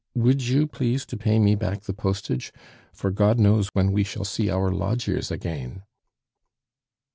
Would you please to pay me back the postage? For God knows when we shall see our lodgers again!"